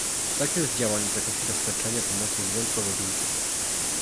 Zakres działań w zakresie dostarczenia pomocy jest wyjątkowo duży